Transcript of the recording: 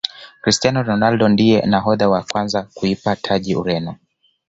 cristiano ronaldo ndiye nahodha wa kwanza kuipa taji Ureno